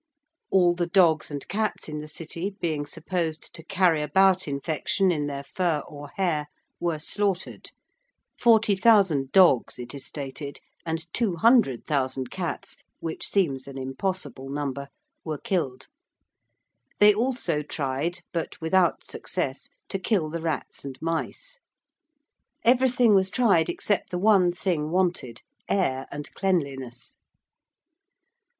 All the dogs and cats in the City, being supposed to carry about infection in their fur or hair, were slaughtered 40,000 dogs, it is stated, and 200,000 cats, which seems an impossible number, were killed. They also tried, but without success, to kill the rats and mice. Everything was tried except the one thing wanted air and cleanliness.